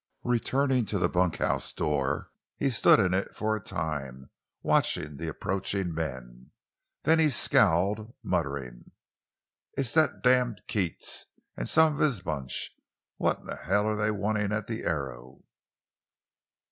Returning to the bunkhouse door, he stood in it for a time, watching the approaching men. Then he scowled, muttering: "It's that damned Keats an' some of his bunch! What in hell are they wantin' at the Arrow?"